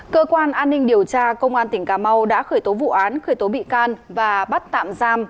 cơ quan an ninh điều tra công an tp đồng hới đã khởi tố vụ án khởi tố bị can và bắt tạm giam